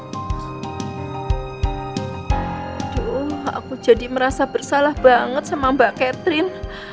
aduh aku jadi merasa bersalah banget sama mbak catherine